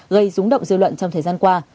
gây rúng động dư luận trong thời gian qua